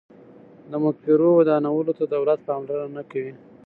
د مقبرو ودانولو ته دولت پاملرنه نه کوي.